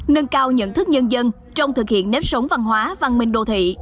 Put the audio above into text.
nâng cao nhận thức nhân dân trong thực hiện nếp sống văn hóa văn minh đô thị